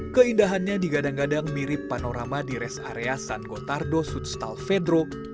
keindahannya digadang gadang mirip panorama di res area san gotardo sutstal fedro